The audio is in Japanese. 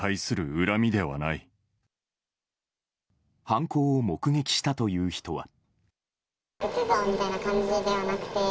犯行を目撃したという人は。